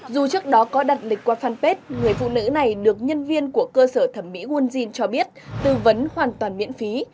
dù trước đó có đặt lịch qua fanpage người phụ nữ này được nhân viên của cơ sở thẩm mỹ wonjin cho biết tư vấn hoàn toàn miễn phí